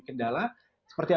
kendala seperti apa